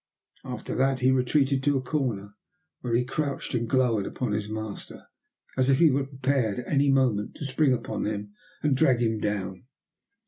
After that he retreated to a corner, where he crouched and glowered upon his master, as if he were prepared at any moment to spring upon him and drag him down.